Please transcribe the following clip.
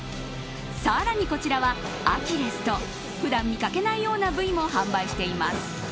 更にこちらはアキレスと普段見かけないような部位も販売しています。